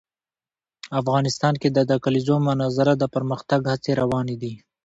افغانستان کې د د کلیزو منظره د پرمختګ هڅې روانې دي.